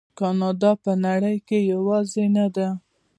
کاناډا په نړۍ کې یوازې نه ده.